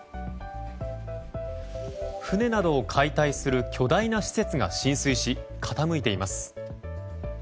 船などを解体する巨大な施設が浸水し傾いています。